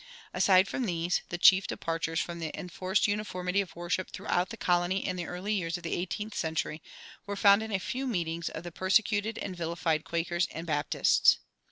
Aside from these, the chief departures from the enforced uniformity of worship throughout the colony in the early years of the eighteenth century were found in a few meetings of persecuted and vilified Quakers and Baptists.